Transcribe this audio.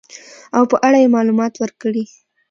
او په اړه يې معلومات ورکړي .